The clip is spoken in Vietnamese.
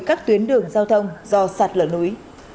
các tuyến đường giao thông do sạt lở núi